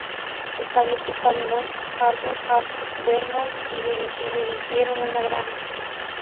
Se establecieron en West Hartford, Vermont, y dirigieron una granja.